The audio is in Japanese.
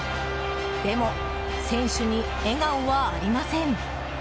でも、選手に笑顔はありません。